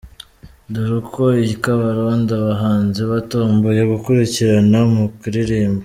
Dore uko i Kabarondo abahanzi batomboye gukurikirana mu kuririmba :.